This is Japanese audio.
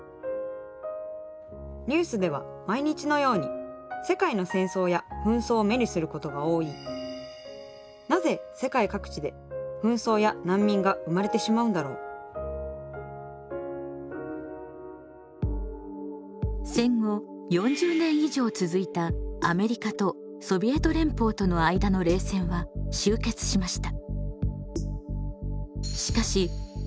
ニュースでは毎日のように世界の戦争や紛争を目にすることが多い戦後４０年以上続いたアメリカとソビエト連邦との間の冷戦は終結しました。